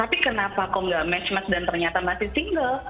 tapi kenapa kok enggak match match dan ternyata masih single